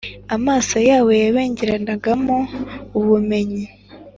amaso yabo yabengeranagamo ubumenyi